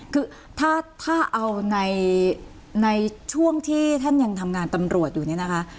คือถ้าเอาในช่วงที่ท่านยังทำงานตำรวจอยู่เนี่ยนะคะ